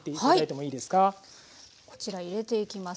こちら入れていきます。